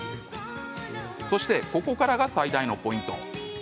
そして、ここからが最大のポイント。